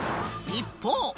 一方。